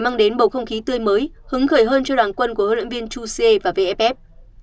mang đến bầu không khí tươi mới hứng khởi hơn cho đoàn quân của huấn luyện viên chuse và vff